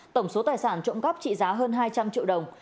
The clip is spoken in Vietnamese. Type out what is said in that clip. tổng số tài sản trộm cắp trị giá hơn hai trăm linh triệu đồng